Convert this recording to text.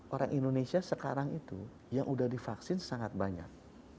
orang indonesia sekarang itu yang sudah divaksin sangat banyak